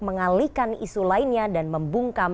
mengalihkan isu lainnya dan membungkam